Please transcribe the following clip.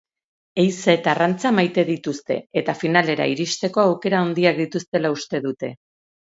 Ehiza eta arrantza maite dituzte eta finalera iristeko aukera handiak dituztela uste dute.